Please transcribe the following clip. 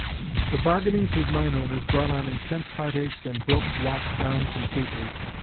The bargainings with mine owners brought on intense heartaches and broke Watt down completely.